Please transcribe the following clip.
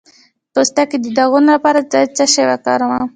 د پوستکي د داغونو لپاره باید څه شی وکاروم؟